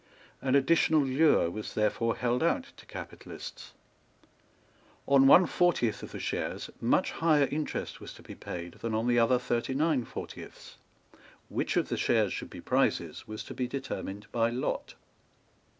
An additional lure was therefore held out to capitalists. On one fortieth of the shares much higher interest was to be paid than on the other thirty nine fortieths. Which of the shares should be prizes was to be determined by lot.